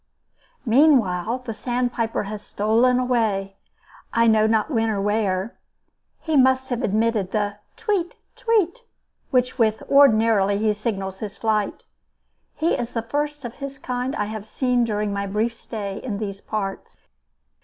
Meanwhile, the sandpiper has stolen away, I know not when or where. He must have omitted the tweet, tweet, with which ordinarily he signalizes his flight. He is the first of his kind that I have seen during my brief stay in these parts.